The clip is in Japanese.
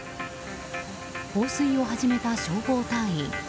放水を始めた消防隊員。